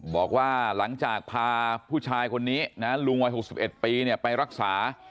บอกว่าหลังจากพาผู้ชายคนนี้นะลุงวัย๖๑ปีไปรักษา